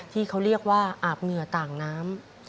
ที่เขาเรียกว่าอาบเหงื่อต่างน้ำ